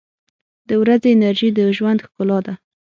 • د ورځې انرژي د ژوند ښکلا ده.